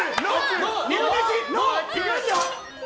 いきますよ。